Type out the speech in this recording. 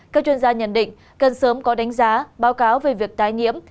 các chuyên gia nhận định cần sớm có đánh giá báo cáo về việc tái nhiễm